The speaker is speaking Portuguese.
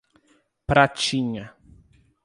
Pratinha